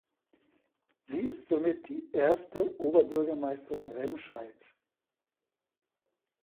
Sie ist somit die erste Oberbürgermeisterin Remscheids.